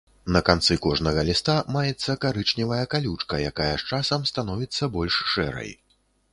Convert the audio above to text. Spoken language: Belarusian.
На канцы кожнага ліста маецца карычневая калючка, якая з часам становіцца больш шэрай.